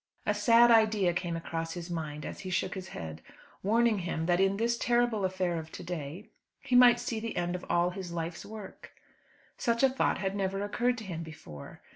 A sad idea came across his mind, as he shook his head, warning him that in this terrible affair of to day, he might see the end of all his life's work. Such a thought had never occurred to him before.